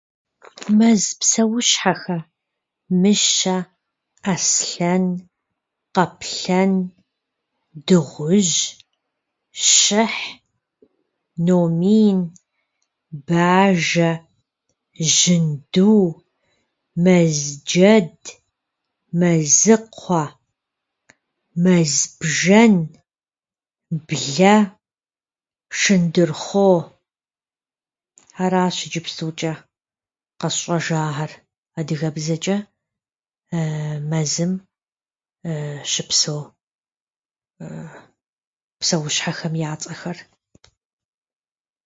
Мэз псэущхьэхэр - мыщэ, аслъэн, къаплъэн, дыгъужь, щыхь, номин, бажэ, жьынду, мэзджэд, мэзыкхъуэ, мэзбжэн, блэ, шындырхъо. Аращ иджыпстучӏэ къэсщӏэжахьэр адыгэбзэчӏэ мэзым щыпсэу псэущхьэхэм я цӏэхэр.